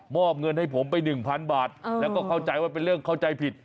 อบเงินให้ผมไป๑๐๐บาทแล้วก็เข้าใจว่าเป็นเรื่องเข้าใจผิด